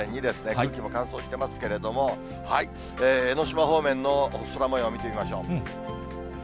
空気も乾燥してますけれども、江の島方面の空もよう見てみましょう。